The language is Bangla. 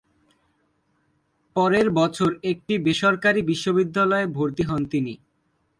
পরের বছর একটি বেসরকারি বিশ্ববিদ্যালয়ে ভর্তি হন তিনি।